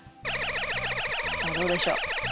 さあどうでしょう？